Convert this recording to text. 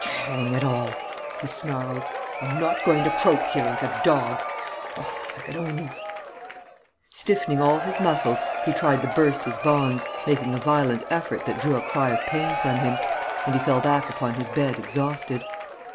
"Hang it all!" he snarled. "I'm not going to croak here, like a dog! Oh, if I could only...." Stiffening all his muscles, he tried to burst his bonds, making a violent effort that drew a cry of pain from him; and he fell back upon his bed, exhausted.